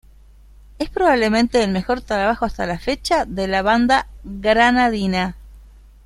Es probablemente el mejor trabajo hasta la fecha de la banda granadina.